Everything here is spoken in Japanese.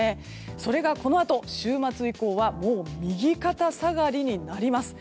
それが、このあと週末以降は右肩下がりになります。